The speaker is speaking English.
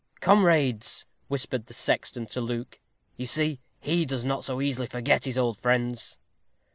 "Comrades!" whispered the sexton to Luke; "you see he does not so easily forget his old friends."